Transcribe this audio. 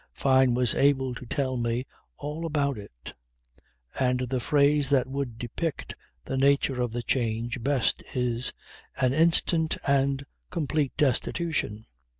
Fyne was able to tell me all about it; and the phrase that would depict the nature of the change best is: an instant and complete destitution.